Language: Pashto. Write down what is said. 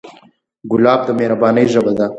ګلاب د مهربانۍ ژبه ده.